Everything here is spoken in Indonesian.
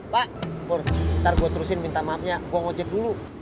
pak bo ntar gua terusin minta maafnya gua ngojek dulu